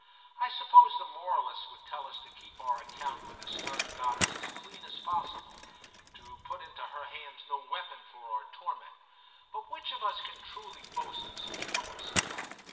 I suppose the moralists would tell us to keep our account with the stern goddess as clean as possible, to put into her hands no weapon IX TIM 191 for our torment ; but which of us can truly boast of such a course as that